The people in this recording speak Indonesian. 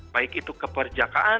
baik itu keperjakaan